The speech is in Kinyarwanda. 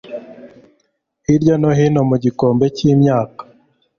Hirya no hino mu kigobe cyimyaka